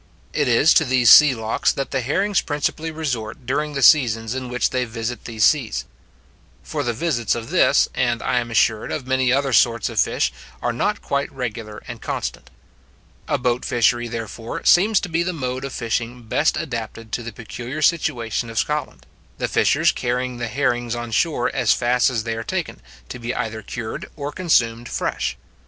It is to these sea lochs that the herrings principally resort during the seasons in which they visit these seas; for the visits of this, and, I am assured, of many other sorts of fish, are not quite regular and constant. A boat fishery, therefore, seems to be the mode of fishing best adapted to the peculiar situation of Scotland, the fishers carrying the herrings on shore as fast as they are taken, to be either cured or consumed fresh.